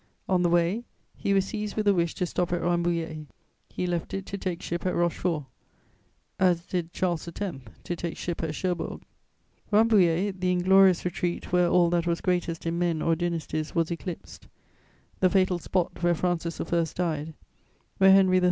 On the way, he was seized with a wish to stop at Rambouillet. He left it to take ship at Rochefort, as did Charles X. to take ship at Cherbourg; Rambouillet, the inglorious retreat where all that was greatest in men or dynasties was eclipsed: the fatal spot where Francis I. died; where Henry III.